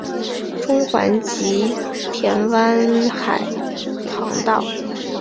中环及田湾海旁道。